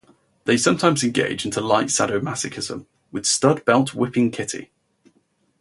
They sometimes engage into light sadomasochism, with Stud belt-whipping Kitty.